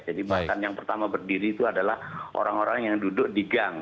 jadi bahkan yang pertama berdiri itu adalah orang orang yang duduk di gang